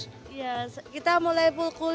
iya kita mulai pukul